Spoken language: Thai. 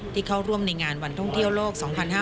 เข้าร่วมในงานวันท่องเที่ยวโลก๒๕๕๙